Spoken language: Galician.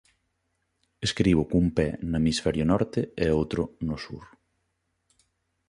Escribo cun pé no hemisferio norte e outro no sur.